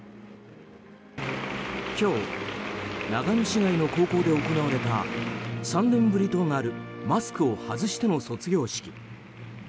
今日、長野市内の高校で行われた３年ぶりとなるマスクを外しての卒業式。